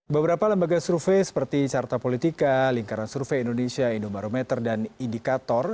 beberapa lembaga survei seperti carta politika lingkaran survei indonesia indobarometer dan indikator